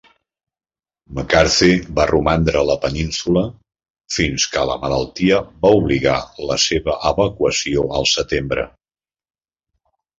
McCarthy va romandre a la península fins que la malaltia va obligar la seva evacuació al setembre.